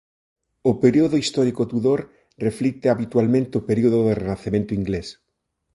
O período histórico Tudor reflicte habitualmente o período do Renacemento inglés.